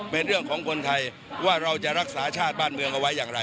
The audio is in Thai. เป็นเรื่องของคนไทยว่าเราจะรักษาชาติบ้านเมืองเอาไว้อย่างไร